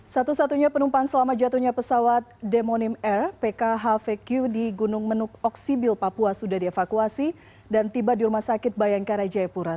satu satunya penumpang selama jatuhnya pesawat demonim air pkhvq di gunung menuk oksibil papua sudah dievakuasi dan tiba di rumah sakit bayangkara jayapura